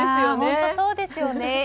本当にそうですよね。